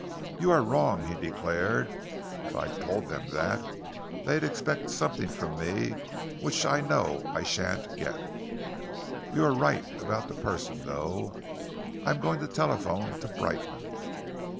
"You are wrong," he declared. "If I told them that, they'd expect something from me which I know I shan't get. You are right about the person, though. I am going to telephone to Brightman."